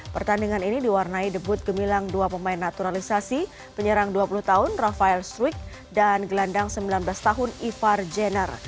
pertandingan ini diwarnai debut gemilang dua pemain naturalisasi penyerang dua puluh tahun rafael struik dan gelandang sembilan belas tahun ivar jenner